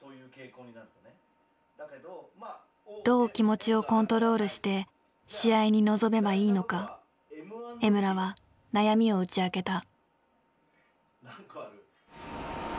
どう気持ちをコントロールして試合に臨めばいいのか江村は悩みを打ち明けた。